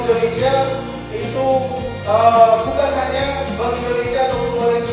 kedepan harus ada bekerja lama dengan universitas universitas